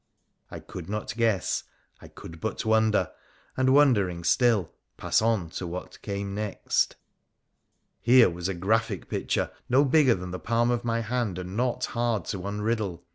I could not guess — I could but wonder — and, wondering still, pass on to what came next. Here was a graphic picture, no bigger than the palm of my hand, and not hard to unriddle.